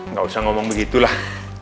gak usah ngomong begitu lah